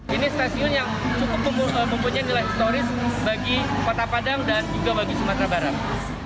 ini stasiun yang cukup mempunyai nilai historis bagi kota padang dan juga bagi sumatera barat